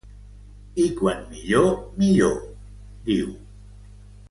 I quan millor, millor, diu.